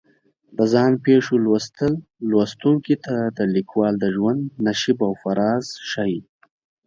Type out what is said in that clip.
د ځان پېښو لوستل لوستونکي ته د لیکوال د ژوند نشیب و فراز ښیي.